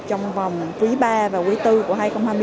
trong vòng quý ba và quý bốn của hai nghìn hai mươi bốn